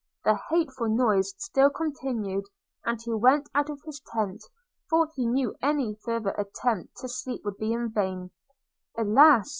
The hateful noise still continued, and he went out of his tent, for he knew any further attempt to sleep would be vain – Alas!